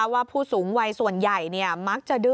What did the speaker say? ผู้สูงวัยส่วนใหญ่มักจะดื้อ